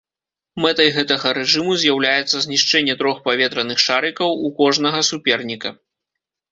Мэтай гэтага рэжыму з'яўляецца знішчэнне трох паветраных шарыкаў у кожнага суперніка.